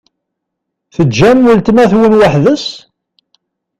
Teǧǧam weltma-twen weḥd-s?